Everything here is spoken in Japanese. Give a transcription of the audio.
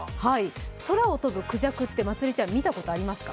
空を飛ぶくじゃくって、まつりちゃん、見たことありますか？